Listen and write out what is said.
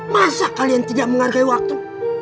masa kalian tidak menghargai waktu